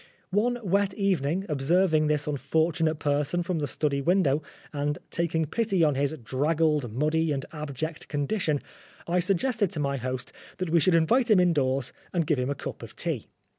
One wet evening, observing this unfortunate person from the study window, and taking pity on his draggled, muddy and abject condition, I suggested to my host that we should invite him indoors and give him a cup of tea.